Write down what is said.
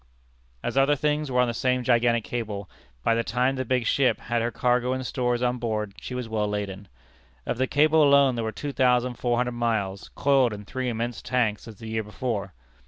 As other things were on the same gigantic scale, by the time the big ship had her cargo and stores on board, she was well laden. Of the cable alone there were two thousand four hundred miles, coiled in three immense tanks as the year before.